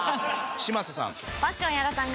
嶋佐さん。